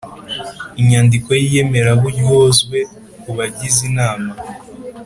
Inyandiko y iyemeraburyozwe ku bagize inama